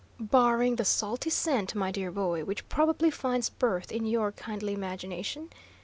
"Barring the salty scent, my dear boy, which probably finds birth in your kindly imagination.